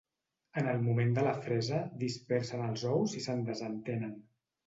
En el moment de la fresa, dispersen els ous i se'n desentenen.